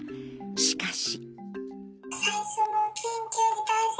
しかし。